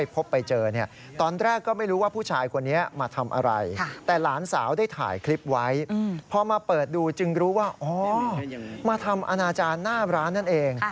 พอมาเปิดดูจึงรู้ว่าอ๋อมาทำอนาจารย์หน้าร้านนั่นเอง